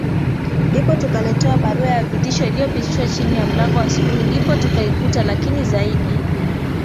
ndipo tukaletewa barua ya vitisho iliyopitishwa chini ya mlango Asubuhi ndipo tukaikuta Lakini zaidi